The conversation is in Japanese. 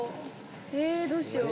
えどうしよう